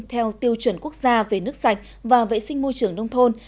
theo tiêu chuẩn quốc gia về nước sạch và vệ sinh môi trường nông thôn